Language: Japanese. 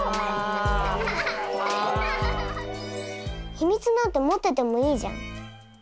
秘密なんて持っててもいいじゃん。